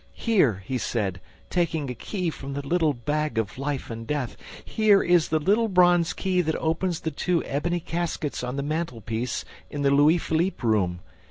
Here,' he said, taking a key from the little bag of life and death, 'here is the little bronze key that opens the two ebony caskets on the mantelpiece in the Louis Philippe room...